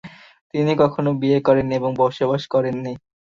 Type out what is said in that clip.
তিনি কখনো বিয়ে করেননি এবং বসবাস করেননি।